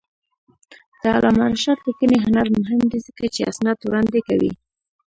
د علامه رشاد لیکنی هنر مهم دی ځکه چې اسناد وړاندې کوي.